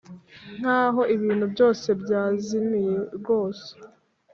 nkaho ibintu byose byazimiye rwose.